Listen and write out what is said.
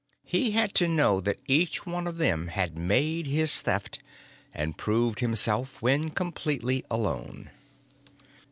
He had to know that each one of them had made his Theft and proved himself when completely alone.